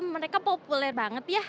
mereka populer banget ya